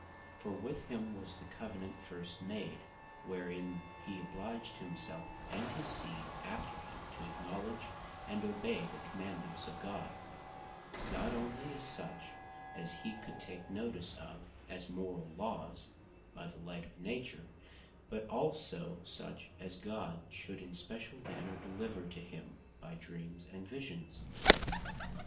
For with him was the Covenant first made; wherein he obliged himself, and his seed after him, to acknowledge and obey the commands of God; not onely such, as he could take notice of, (as Morall Laws,) by the light of Nature; but also such, as God should in speciall manner deliver to him by Dreams and Visions.